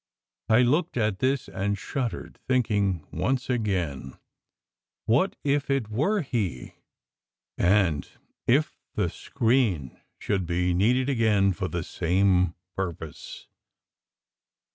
I looked at this and shuddered, thinking once again, " What if it were he! " and if the screen should be needed again for the same purpose.